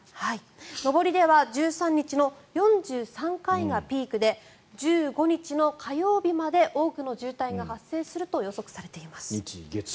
上りでは１３日の４３回がピークで１５日の火曜日まで多くの渋滞が発生すると予測されています。